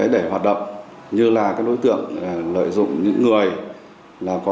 rất phức tạp